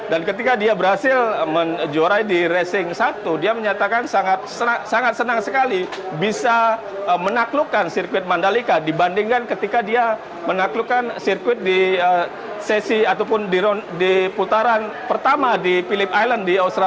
dan ketika dia berhasil menjuarai di racing satu dia menyatakan sangat senang sekali bisa menaklukkan sirkuit mandalika dibandingkan ketika dia menaklukkan sirkuit di sesi ataupun di putaran pertama di phillip island